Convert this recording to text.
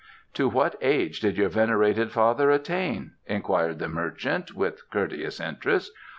"To what age did your venerated father attain?" inquired the merchant, with courteous interest.